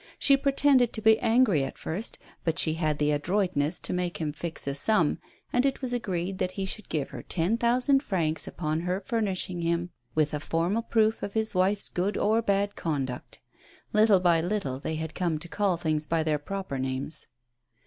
She pretended to be angry at first, but she had the adroitness to make him fix a sum, and it was agreed that he should give her ten thousand francs upon her furnishing him with a formal proof of his wife's good or bad conduct. Little by little they had come to call things by their proper names.